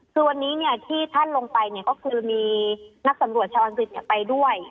คือวันนี้ที่ท่านลงไปก็คือมีนักสำรวจชาวอังกฤษไปด้วย